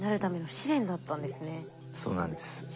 そうなんです。